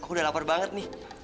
aku udah lapar banget nih